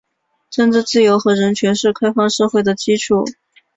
政治自由和人权是开放社会的基础。